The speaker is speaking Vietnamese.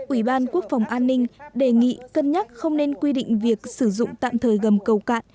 ủy ban quốc phòng an ninh đề nghị cân nhắc không nên quy định việc sử dụng tạm thời gầm cầu cạn